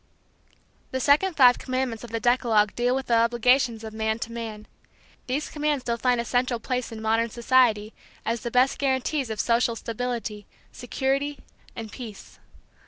The second five commandments of the decalogue deal with the obligations of man to man. These commands still find a central place in modern society as the best guarantees of social stability, security and peace.